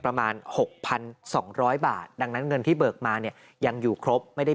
ประมาณ๖๒๐๐บาทดังนั้นเงินที่เบิกมาเนี่ยยังอยู่ครบไม่ได้